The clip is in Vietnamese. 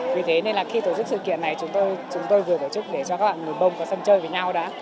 vì thế nên là khi tổ chức sự kiện này chúng tôi vừa tổ chức để cho các bạn mùa bông có sân chơi với nhau đã